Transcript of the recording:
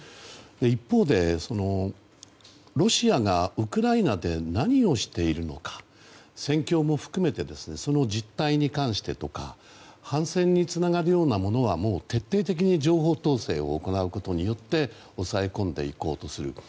一方で、ロシアがウクライナで何をしているのか戦況も含めてその実態に関してとか反戦につながるようなものは徹底的に情報統制を行うことによって抑え込んでいこうとすると。